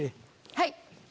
はい！